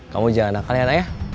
kamu jangan nakal ya nak ya